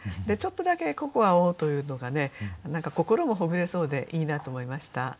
でちょっとだけココアをというのがね何か心もほぐれそうでいいなと思いました。